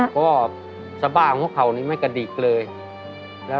ก็สบายของหัวเข่านี้ไม่กระดิกเลย